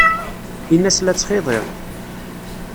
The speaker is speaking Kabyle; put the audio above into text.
Ini-as la ttxiḍiɣ.